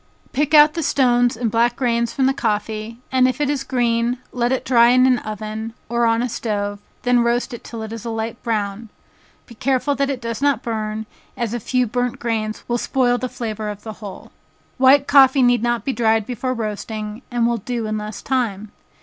Pick out the stones and black grains from the coffee, and if it is green, let it dry in an oven, or on a stove, then roast it till it is a light brown, be careful that it does not burn, as a few burnt grains will spoil the flavor of the whole. White coffee need not be dried before roasting, and will do in less time.